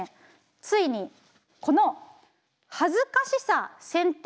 ついにこの恥ずかしさ先手